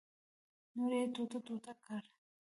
نور یې ټوټه ټوټه کړ.